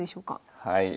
はい。